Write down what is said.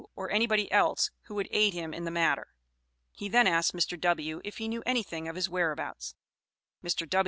or anybody else who would aid him in the matter." He then asked Mr. W. if he knew anything of his whereabouts. Mr.